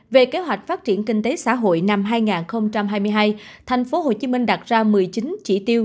về kế hoạch phát triển kinh tế xã hội năm hai nghìn hai mươi hai thành phố hồ chí minh đạt ra một mươi chín chỉ tiêu